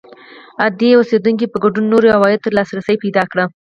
عادي اوسېدونکو په ګډون نورو عوایدو ته لاسرسی پیدا کړ